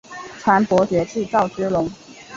传伯爵至赵之龙。